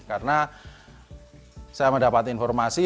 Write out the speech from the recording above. karena saya mendapat informasi